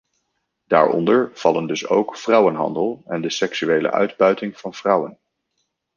Daaronder vallen dus ook vrouwenhandel en de seksuele uitbuiting van vrouwen.